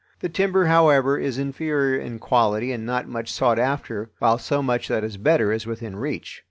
The timber, however, is inferior in quality and not much sought after while so much that is better is within reach.